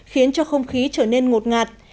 khiến cho không khí trở nên ngột ngạt